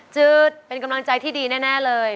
จืดเป็นกำลังใจที่ดีแน่เลย